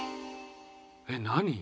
えっ何？